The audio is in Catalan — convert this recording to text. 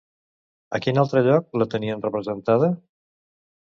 A quin altre lloc la tenien representada?